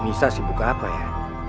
nisa sibuk apa ya